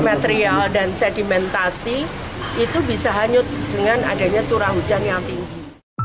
material dan sedimentasi itu bisa hanyut dengan adanya curah hujan yang tinggi